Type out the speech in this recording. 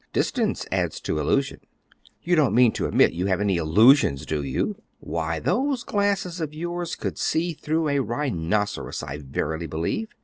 Distance adds to illusion." "You don't mean to admit you have any illusions, do you? Why, those glasses of yours could see through a rhinoceros, I verily believe.